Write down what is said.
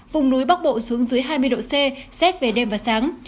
vùng núi bắc bộ xuống dưới hai mươi độ c xét về đêm và sáng